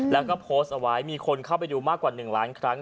แล้วก็โพสต์เอาไว้มีคนเข้าไปดูมากกว่า๑ล้านครั้ง